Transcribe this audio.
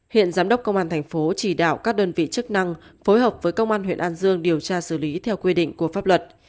hiện giám đốc công an thành phố chỉ đạo các đơn vị chức năng phối hợp với công an huyện an dương điều tra xử lý theo quy định của pháp luật